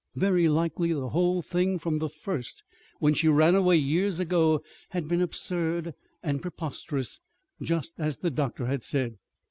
Very likely the whole thing, from the first, when she ran away years ago, had been absurd and preposterous, just as the doctor had said.